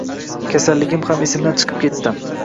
Kasalligim ham esimdan chiqib ketdi